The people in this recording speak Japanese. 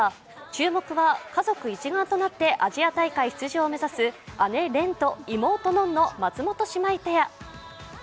注目は家族一丸となってアジア大会出場を目指す姉・恋と妹・穏の松本姉妹ペア。